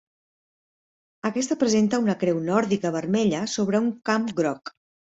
Aquesta presenta una creu nòrdica vermella sobre un camp groc.